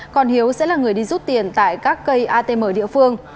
còn hiếu sẽ là người đi rút tiền tại các cây atm địa phương